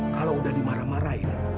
kalau udah dimarah marahin